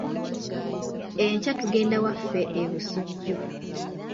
Enkya tugenda waffe e Bussujju.